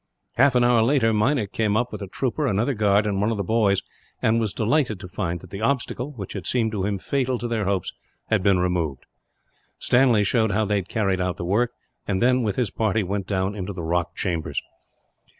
Half an hour later Meinik came up, with a trooper, another guard, and one of the boys; and was delighted to find that the obstacle, which had seemed to him fatal to their hopes, had been removed. Stanley showed how they had carried out the work; and then, with his party, went down into the rock chambers.